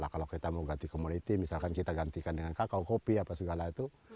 mau ganti komuniti misalkan kita gantikan dengan kakao kopi apa segala itu